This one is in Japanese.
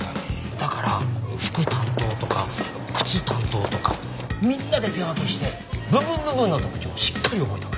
だから服担当とか靴担当とかみんなで手分けして部分部分の特徴をしっかり覚えておく。